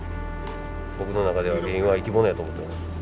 僕の中では原油は生き物やと思ってます。